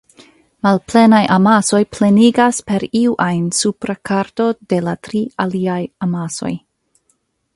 Malplenaj amasoj plenigas per iu ajn supra karto de la tri alia amasoj.